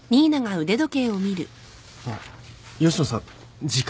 あっ吉野さん時間。